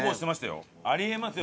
あり得ますよ。